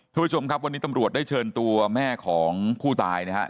ทุกผู้ชมครับวันนี้ตำรวจได้เชิญตัวแม่ของผู้ตายนะครับ